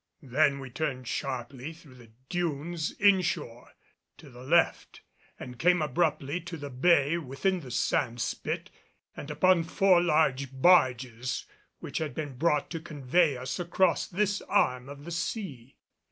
Then we turned sharply through the dunes in shore to the left, and came abruptly to the bay within the sand spit and upon four large barges which had been brought to convey us across this arm of the sea.